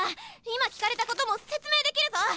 今聞かれたことも説明できるぞ！